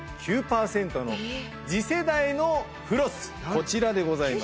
こちらでございます。